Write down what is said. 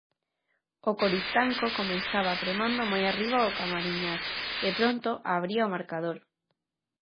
O Coristanco comezaba apremando moi arriba ao Camariñas, e pronto abría o marcador.